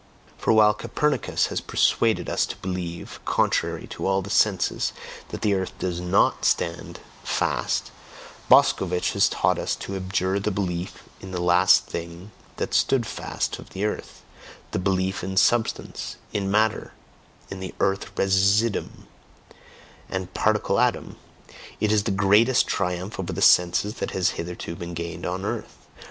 For while Copernicus has persuaded us to believe, contrary to all the senses, that the earth does NOT stand fast, Boscovich has taught us to abjure the belief in the last thing that "stood fast" of the earth the belief in "substance," in "matter," in the earth residuum, and particle atom: it is the greatest triumph over the senses that has hitherto been gained on earth.